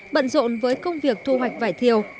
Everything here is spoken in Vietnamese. bận rộn với công việc thu hoạch vải thiều